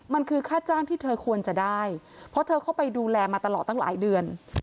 มันคือค่าจ้างที่เธอควรจะได้เพราะเธอเข้าไปดูแลมาตลอดตั้งหลายเดือน